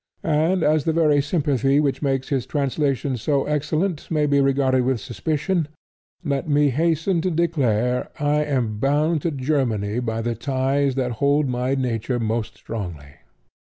And as the very sympathy which makes his translations so excellent may be regarded with suspicion, let me hasten to declare I am bound to Germany by the ties that hold my nature most strongly.